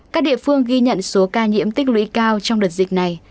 các địa phương ghi nhận số ca nhiễm tích lũy cao trong đợt dịch này